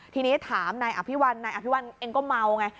ทีนี้ถามนายอภิวัลนายอภิวัลเองก็เมาไง